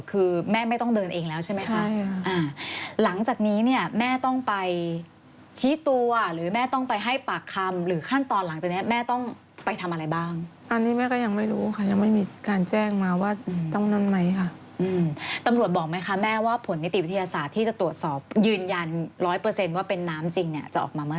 คือแม่ไม่ต้องเดินเองแล้วใช่ไหมคะอ่าหลังจากนี้เนี่ยแม่ต้องไปชี้ตัวหรือแม่ต้องไปให้ปากคำหรือขั้นตอนหลังจากเนี้ยแม่ต้องไปทำอะไรบ้างอันนี้แม่ก็ยังไม่รู้ค่ะยังไม่มีการแจ้งมาว่าต้องนั่นไหมค่ะตำรวจบอกไหมคะแม่ว่าผลนิติวิทยาศาสตร์ที่จะตรวจสอบยืนยันร้อยเปอร์เซ็นต์ว่าเป็นน้ำจริงเนี่ยจะออกมาเมื่อ